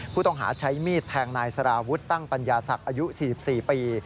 ผู้ต้องหาใช้มีดแทงนายสารวุฒิตั้งปัญญาศักดิ์อายุ๔๔ปี